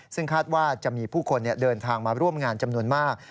ซึ่งคาดว่าจะมีผู้คนเดินทางมาร่วมงานจำนวนมาก